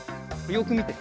よくみて。